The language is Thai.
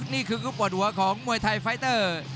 นี่คือคู่ปวดหัวของมวยไทยไฟเตอร์